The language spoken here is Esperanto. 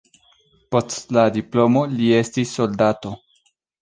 Post la diplomo li estis soldato.